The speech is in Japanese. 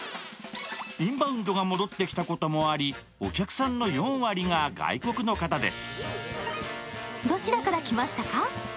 インバウンドが戻ってきたこともあり、お客さんの４割が外国の方です。